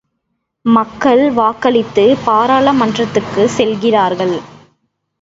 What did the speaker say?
மக்கள் வாக்களித்து, பாராளுமன்றத்துக்குச் செல்கிறார்கள்.